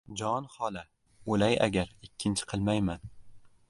— Jon xola, o‘lay agar, ikkinchi qilmayman!